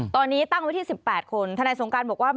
ตอนนี้ตั้งไว้ที่๑๘คนทนายสงการบอกว่า